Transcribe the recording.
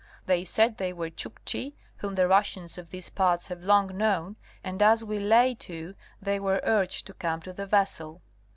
They said they were Chukchi, (whom the Russians of these parts have long known) and as we lay to they were urged to come to the vessel.